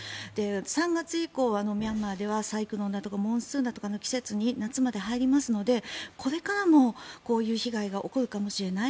３月以降ミャンマーではサイクロンだとかモンスーンだとかの季節に夏まで入りますのでこれからもこういう被害が起こるかもしれない。